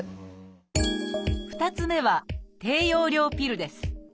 ２つ目は「低用量ピル」です。